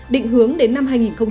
định hướng đến năm hai nghìn hai mươi